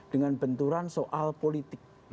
dengan benturan soal politik